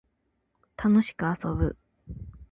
楽しく遊ぶ